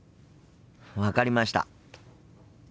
分かりました。